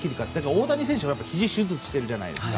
大谷選手もひじを手術してるじゃないですか。